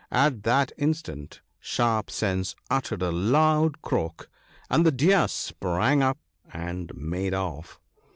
At that in stant Sharp sense uttered a loud croak, and the Deer sprang up and made off.